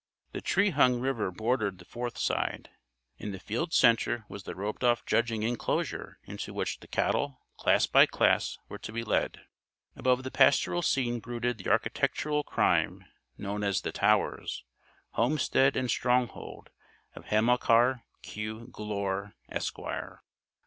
The tree hung river bordered the fourth side. In the field's center was the roped off judging inclosure into which the cattle, class by class, were to be led. Above the pastoral scene brooded the architectural crime, known as The Towers homestead and stronghold of Hamilcar Q. Glure, Esquire.